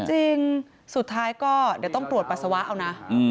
จริงสุดท้ายก็เดี๋ยวต้องตรวจปัสสาวะเอานะ